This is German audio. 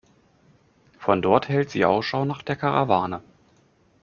Von dort hält sie Ausschau nach der Karawane.